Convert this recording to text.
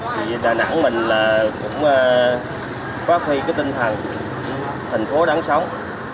thì đà nẵng mình là cũng quá phi cái tinh thần thành phố đáng sống